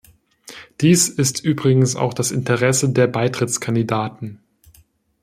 Dies ist übrigens auch das Interesse der Beitrittskandidaten.